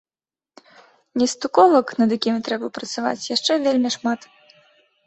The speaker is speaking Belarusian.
Нестыковак, над якімі трэба працаваць, яшчэ вельмі шмат.